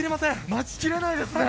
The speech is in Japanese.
待ちきれないですね。